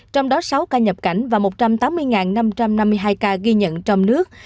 trong đó sáu ca nhập cảnh và một trăm tám mươi năm trăm năm mươi hai ca ghi nhận trong nước